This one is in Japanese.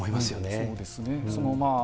そうですね。